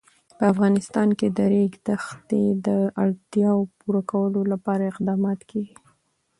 په افغانستان کې د د ریګ دښتې د اړتیاوو پوره کولو لپاره اقدامات کېږي.